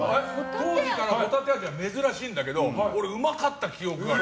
当時からホタテ味は珍しいんだけど俺、うまかった記憶がある。